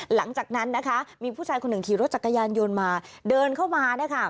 หลังจากนั้นนะคะมีผู้ชายคนหนึ่งขี่รถจักรยานยนต์มาเดินเข้ามานะคะ